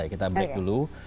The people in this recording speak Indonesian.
kita break dulu